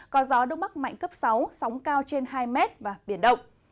có gió đông bắc mạnh cấp sáu sóng cao trên hai mét và biển động